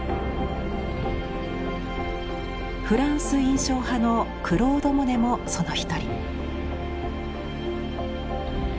フランス印象派のクロード・モネもその一人。